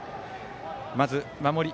まず守り